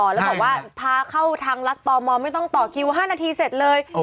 แล้วบอกว่าพาเข้าทางรัฐต่อมอลไม่ต้องต่อคิว๕นาทีเสร็จเลย